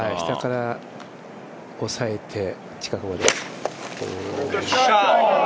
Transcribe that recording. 下から抑えて、近くまで。